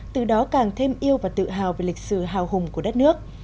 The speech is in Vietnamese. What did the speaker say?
từ đó càng thêm yêu và tự hào về lịch sử hào hùng của đất nước